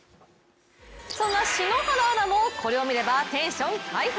そんな篠原アナもこれを見ればテンション回復。